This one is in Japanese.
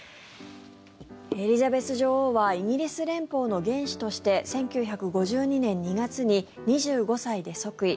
エリザベス女王はイギリス連邦の元首として１９５２年２月に２５歳で即位。